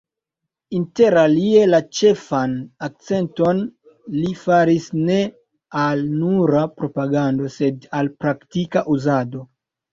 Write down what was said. Interalie la ĉefan akcenton li faris ne al nura propagando, sed al praktika uzado.